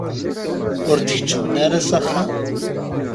Ur d-keččmen ara s axxam?